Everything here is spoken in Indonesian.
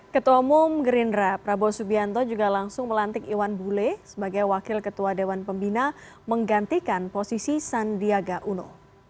ketua umum gerindra prabowo subianto juga langsung melantik iwan bule sebagai wakil ketua dewan pembina menggantikan posisi sandiaga uno